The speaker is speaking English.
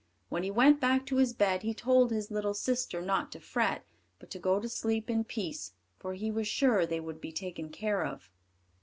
When he went back to his bed he told his little sister not to fret, but to go to sleep in peace, for he was sure they would be taken care of.